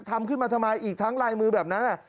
ทำขึ้นมาทำไมอีกทั้งลายมือแบบนั้น